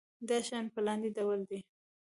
دا شیان په لاندې ډول دي.